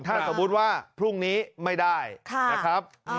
ถ้าสมมุติว่าพรุ่งนี้ไม่ได้นะครับ